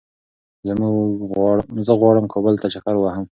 زه غواړم کابل ته چکر ووهم